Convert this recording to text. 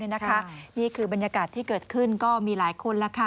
นี่คือบรรยากาศที่เกิดขึ้นก็มีหลายคนแล้วค่ะ